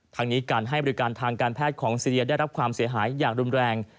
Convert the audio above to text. ทางนี้การให้บริการทางการแพทย์ของซีเรียได้รับความเสียหายอย่างรุนแรง